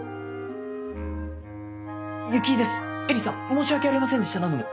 雪井ですエリーさん申し訳ありませんでした何度も。